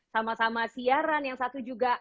sama sama siaran yang satu juga